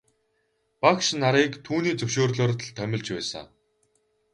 Багш нарыг түүний зөвшөөрлөөр л томилж байсан.